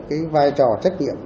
cái vai trò trách nhiệm của gia đình